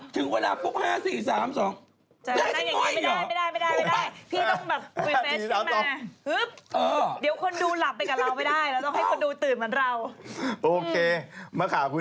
ชอบมากเลยเมื่อกี้แบบนี้ครบตัว๕ตีตั้งแต่ว่าฟึ๊บ